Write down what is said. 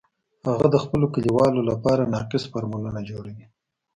هغه د خپلو کلیوالو لپاره ناقص فارمولونه جوړوي